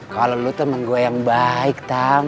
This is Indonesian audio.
kalau lu tuh sama gua yang baik tam